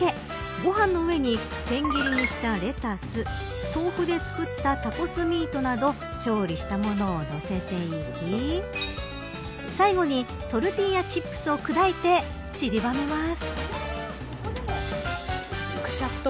ご飯の上に千切りにしたレタス豆腐で作ったタコスミートなど調理したものを乗せていき最後にトルティーヤチップスを砕いてちりばめます。